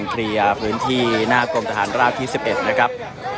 เคลียร์พื้นที่หน้ากรมทหารราบที่๑๑นะครับ